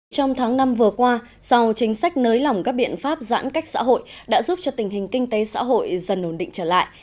trong tháng năm vừa qua sau chính sách nới lỏng các biện pháp giãn cách xã hội đã giúp cho tình hình kinh tế xã hội dần ổn định trở lại